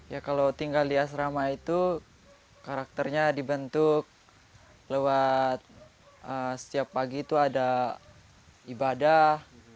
ya kalau tinggal di asrama itu karakternya dibentuk lewat setiap pagi itu ada ibadah